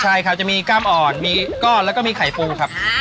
ใช่ครับจะมีกล้ามอ่อนมีก้อนแล้วก็มีไข่ปูครับ